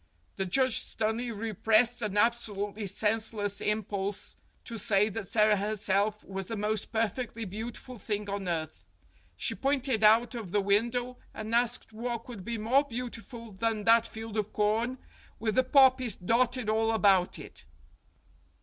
The judge sternly repressed an absolutely senseless impulse to say that Sara herself was the most perfectly beautiful thing on earth. She pointed out of the win dow and asked what could be more beautiful than that field of corn with the poppies dotted all about it?